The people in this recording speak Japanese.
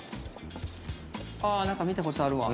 あ何か見たことあるわ。